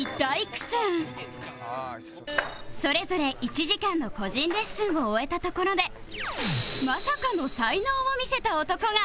それぞれ１時間の個人レッスンを終えたところでまさかの才能を見せた男が